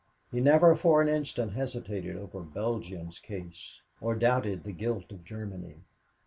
He never for an instant hesitated over Belgium's case, or doubted the guilt of Germany.